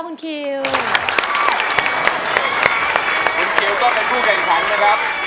คุณเกลก็เป็นผู้กันอีกครั้งนะครับ